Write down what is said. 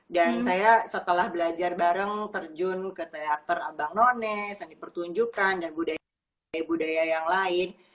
dan saya setelah belajar bareng terjun ke teater abang nonenya seni pertunjukan dan budaya budaya yang lain